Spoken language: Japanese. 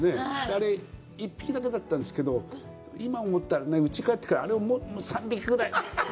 あれ、１匹だけだったんですけど、今、思ったら、うちに帰ってから、あれをもう３匹ぐらい。